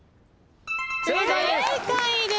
正解です。